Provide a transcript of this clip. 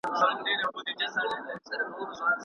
املا د استعمال یوه لاره ده.